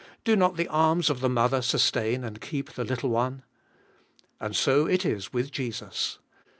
do not the arms of the mother sustain and keep the little one? And so it is with Jesus.